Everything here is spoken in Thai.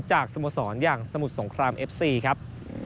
สโมสรอย่างสมุทรสงครามเอฟซีครับ